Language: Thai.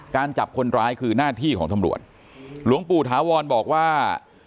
จับคนร้ายคือหน้าที่ของตำรวจหลวงปู่ถาวรบอกว่า